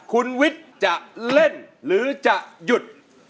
คุณวิทย์จะเล่นหรือจะหยุด